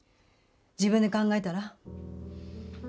自分で考えたら？